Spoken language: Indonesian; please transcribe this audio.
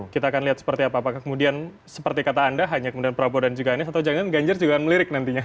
kita akan lihat seperti apa apakah kemudian seperti kata anda hanya kemudian prabowo dan juga anies atau jangan jangan ganjar juga melirik nantinya